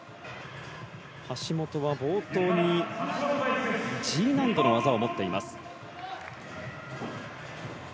橋本は冒頭にＧ難度の技を持っています。